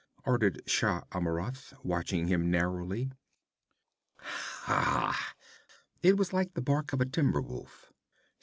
ordered Shah Amurath, watching him narrowly. 'Ha!' It was like the bark of a timber wolf.